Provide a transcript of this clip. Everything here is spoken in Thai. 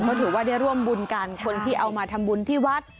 เขาถือว่าได้ร่วมบุญกันคนที่เอามาทำบุญที่วัด